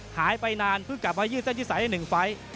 หายไปนานเพิ่งกลับมายื่นเส้นที่ใส๑ไฟล์